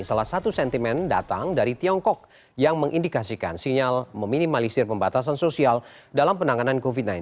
salah satu sentimen datang dari tiongkok yang mengindikasikan sinyal meminimalisir pembatasan sosial dalam penanganan covid sembilan belas